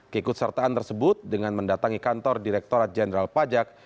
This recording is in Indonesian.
keikutsertaan tersebut dengan mendatangi kantor direkturat jenderal pajak